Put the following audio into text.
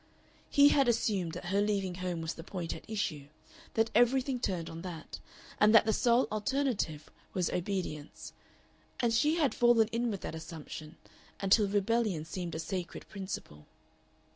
He had assumed that her leaving home was the point at issue, that everything turned on that, and that the sole alternative was obedience, and she had fallen in with that assumption until rebellion seemed a sacred principle.